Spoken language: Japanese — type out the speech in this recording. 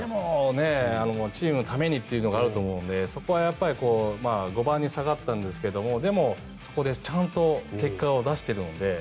チームのためにというのがあると思うのでそこは５番に下がったんですがそこでちゃんと結果を出しているので。